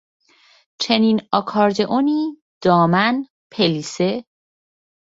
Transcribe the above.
چین آکاردئونی دامن، پلیسه